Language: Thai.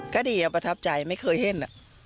ก็ดีประทับใจไม่เคยเห็น